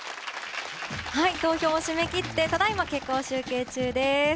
投票を締め切ってただいま結果を集計中です。